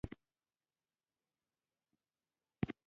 چې ځان ته ووايي افغان سړی په زړه وسوځي